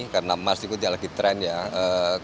karena masih ketika lagi tren ya kami apa mempersiapkan untuk